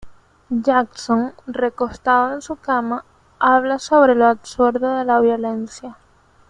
Jackson, recostado en su cama, habla sobre lo absurdo de la violencia.